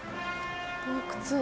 洞窟。